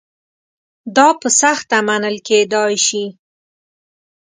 دا په سخته منل کېدای شي.